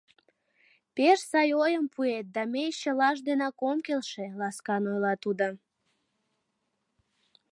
— Пеш сай ойым пуэт, да мей чылаж денак ом келше, — ласкан ойла тудо.